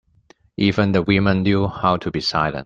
Even the women knew how to be silent.